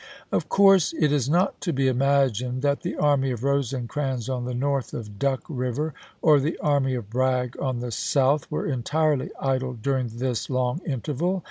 Of course it is not to be imagined that the army of Rosecrans on the north of Duck River, or the army of Bragg on the south, were entirely idle during this long interval.